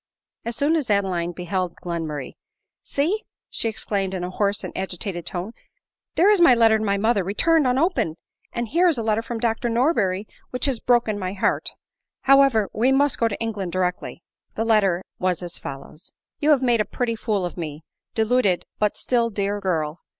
As soon as Adeline beheld Glenmurray, " See !" she exclaimed in a hoarse and agitated tone, " there is my letter to my mother, returned unopened, and here is a letter from Dr Norberry which has broken my heart : however, we must go to England directly." The letter was as follows :" You have made a pretty fool of me, deluded but still dear girl